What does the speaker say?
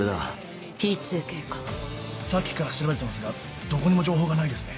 さっきから調べてますがどこにも情報がないですね。